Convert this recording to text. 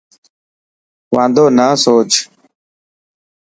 واندو نه سوچ.